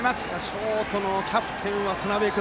ショートのキャプテン渡邊君